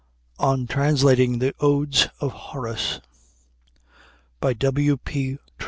] ON TRANSLATING THE ODES OF HORACE W. P.